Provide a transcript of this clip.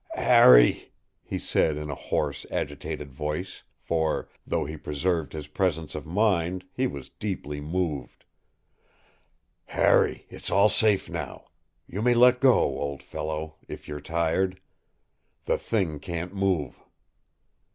“Harry,” he said, in a hoarse, agitated voice, for, though he preserved his presence of mind, he was deeply moved, “Harry, it’s all safe now. You may let go, old fellow, if you’re tired. The Thing can’t move.